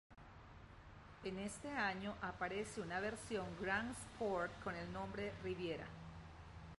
En este año aparece una versión "Gran Sport" con el nombre de "Riviera".